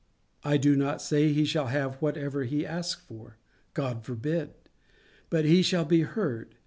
I do not say he shall have whatever he asks for. God forbid. But he shall be heard.